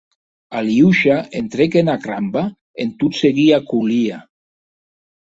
Aliosha entrèc ena cramba en tot seguir a Kolia.